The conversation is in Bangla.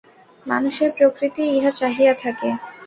মানুষের প্রকৃতিই ইহা চাহিয়া থাকে।